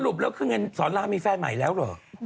สรุปแล้วคือเงินสอนลามมีแฟนใหม่แล้วหรือ